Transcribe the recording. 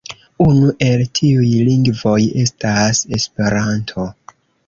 Unu el tiuj lingvoj estas Esperanto.